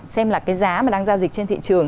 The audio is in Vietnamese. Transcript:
xem là cái giá mà đang giao dịch trên thị trường